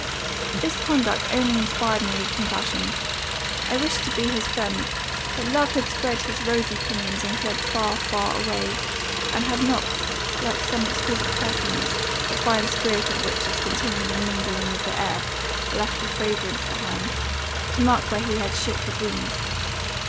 "This conduct only inspired me with compassion. I wished to be his friend; but love had spread his rosy pinions and fled far, far away; and had not (like some exquisite perfumes, the fine spirit of which is continually mingling with the air) left a fragrance behind, to mark where he had shook his wings.